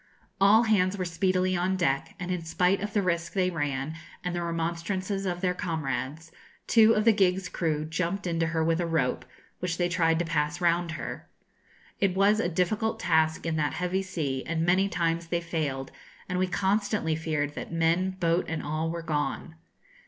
All hands were speedily on deck; and in spite of the risk they ran, and of the remonstrances of their comrades, two of the gig's crew jumped into her with a rope, which they tried to pass round her. It was a difficult task in that heavy sea, and many times they failed, and we constantly feared that men, boat, and all were gone.